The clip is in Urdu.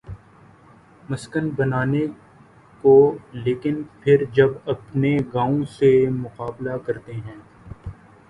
مسکن بنانے کو لیکن پھر جب اپنے گاؤں سے مقابلہ کرتے ہیں۔